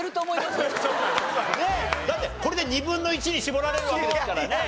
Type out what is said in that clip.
だってこれで２分の１に絞られるわけですからね。